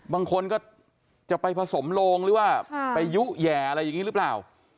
บางคนก็จะไปผสมโลงหรือว่าไปยุแห่อะไรอย่างนี้หรือเปล่า